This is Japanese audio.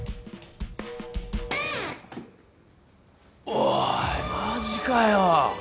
おいマジかよ。